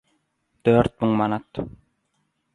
– Dört müň manat.